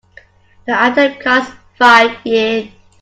The item costs five Yen.